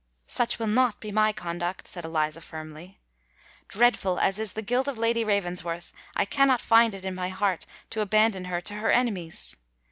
"Such will not be my conduct," said Eliza, firmly. "Dreadful as is the guilt of Lady Ravensworth, I cannot find it in my heart to abandon her to her enemies.